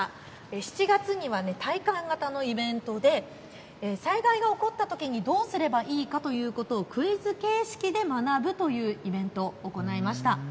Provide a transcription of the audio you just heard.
７月には体感型のイベントで災害が起こったときにどうすればいいかということをクイズ形式で学ぶというイベントを行いました。